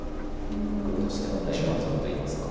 黒としては大満足といいますか。